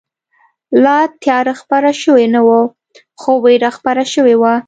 لا تیاره خپره شوې نه وه، خو وېره خپره شوې وه.